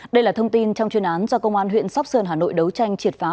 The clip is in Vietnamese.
đây là thông tin trong chuyên án do công an huyện sóc sơn hà nội đấu tranh triệt phá